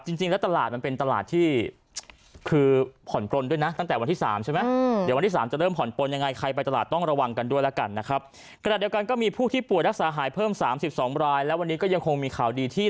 จริงแล้วตลาดมันเป็นตลาดที่คือผ่อนปนด้วยนะ